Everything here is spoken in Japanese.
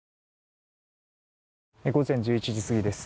午前１１時過ぎです。